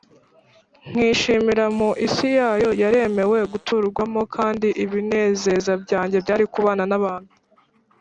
nkishimira mu isi yayo yaremewe guturwamo, kandi ibinezeza byanjye byari ukubana n’abantu